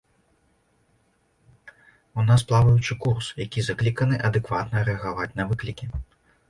У нас плаваючы курс, які закліканы адэкватна рэагаваць на выклікі.